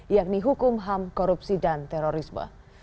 yakni hukum ham korupsi dan terorisme